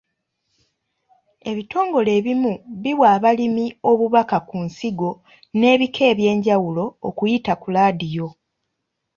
Ebitongole ebimu biwa abalimi obubaka ku nsigo n'ebika eby'enjawulo okuyita ku laadiyo.